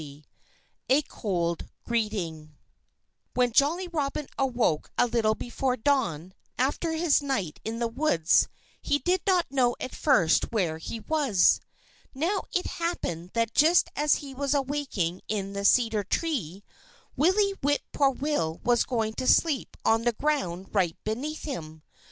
XXIII A COLD GREETING When Jolly Robin awoke a little before dawn, after his night in the woods, he did not know at first where he was. Now, it happened that just as he was awaking in the cedar tree, Willie Whip poor will was going to sleep on the ground right beneath him.